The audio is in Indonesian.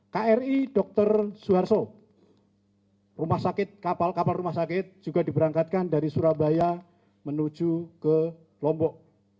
di dokter suharto kapal kapal rumah sakit juga diberangkatkan dari surabaya menuju ke lombok